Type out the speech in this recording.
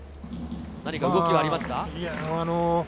何か動きはありますか？